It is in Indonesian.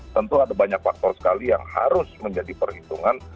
tentu ada banyak faktor sekali yang harus menjadi perhitungan